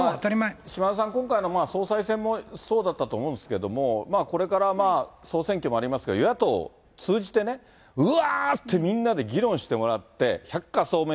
岸田さん、今回の総裁選もそうだったと思うんですけれども、これから総選挙もありますが、与野党通じてね、うわーって、みんなで議論してもらって、百家争鳴